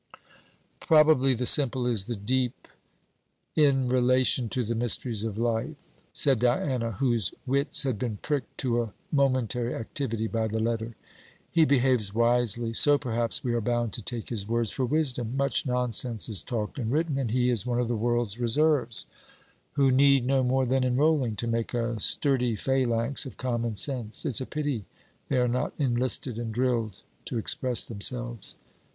'Probably the simple is the deep, in relation to the mysteries of life,' said Diana, whose wits had been pricked to a momentary activity by the letter. 'He behaves wisely; so perhaps we are bound to take his words for wisdom. Much nonsense is talked and written, and he is one of the world's reserves, who need no more than enrolling, to make a sturdy phalanx of common sense. It's a pity they are not enlisted and drilled to express themselves.'